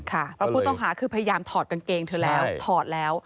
เพราะผู้ต้องหาคือพยายามถอดกางเกงเธอแล้วถอดแล้ว